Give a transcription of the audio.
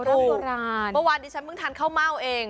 โอ้ประวัติดิฉันเพิ่งทานเข้าเม่าเอง